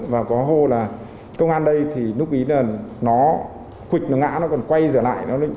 và có hô là công an đây thì nút bí nó khuỷt nó ngã nó còn quay dở lại